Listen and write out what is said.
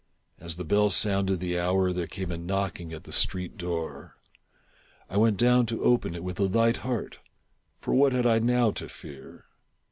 As the bell sounded the hour, there came a knocking at the street door. I went down to open it with a light heart, — for what had I now to fear?